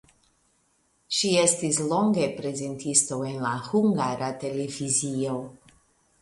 Ŝi estis longe prezentisto en la Hungara Televizio.